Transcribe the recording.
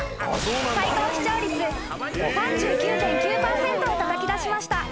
最高視聴率３９．９％をたたきだしました］